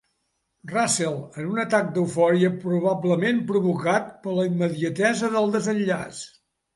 Russell, en un atac d'eufòria probablement provocat per la immediatesa del desenllaç.